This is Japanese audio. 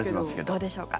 どうでしょうか。